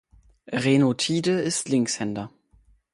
Reno Tiede ist Linkshänder.